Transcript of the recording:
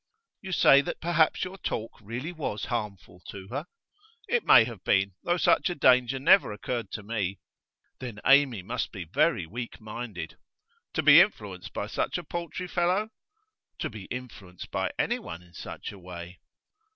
'You say that perhaps your talk really was harmful to her.' 'It may have been, though such a danger never occurred to me.' 'Then Amy must be very weak minded.' 'To be influenced by such a paltry fellow?' 'To be influenced by anyone in such a way.